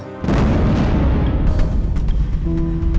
gak mungkin nilainya duit ke kita